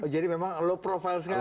jadi memang low profile sekali